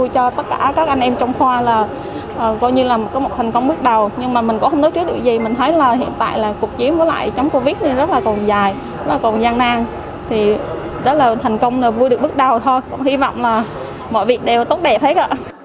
cũng hy vọng mọi vị đều tốt đẹp hết